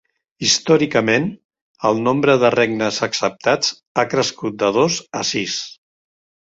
Històricament el nombre de regnes acceptats ha crescut de dos a sis.